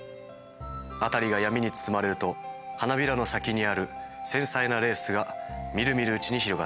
辺りが闇に包まれると花びらの先にある繊細なレースがみるみるうちに広がっていきます。